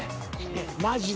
マジで。